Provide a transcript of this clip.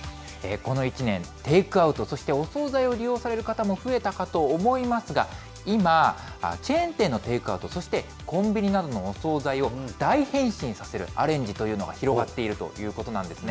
この１年、テイクアウト、そしてお総菜を利用される方も増えたかと思いますが、今、チェーン店のテイクアウト、そしてコンビニなどのお総菜を、大変身させるアレンジというのが広がっているということなんですね。